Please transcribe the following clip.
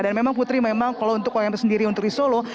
dan memang putri memang kalau untuk umkm sendiri untuk di solo